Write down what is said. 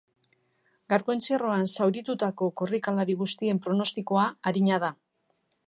Gaurko entzierroan zauritutako korrikalari guztien pronostikoa arina da.